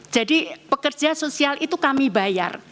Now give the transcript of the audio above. jadi pekerja sosial itu kami bayar